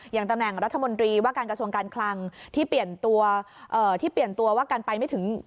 อย่างตำแหน่งรัฐมนตรีว่าการกระทรวงการคลังที่เปลี่ยนตัวที่เปลี่ยนตัวว่าการไปไม่ถึง